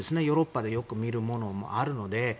ヨーロッパでよく見るものもあるので。